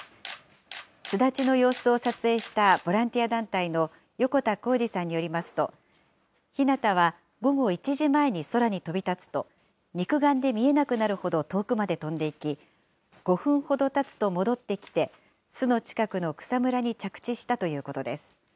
巣立ちの様子を撮影したボランティア団体の横田耕司さんによりますと、ひなたは午後１時前に空に飛び立つと、肉眼で見えなくなるほど遠くまで飛んでいき、５分ほどたつと戻ってきて、巣の近くの草むらに着地したということです。